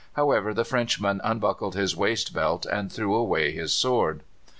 However, the Frenchman unbuckled his waist belt and threw away his sword.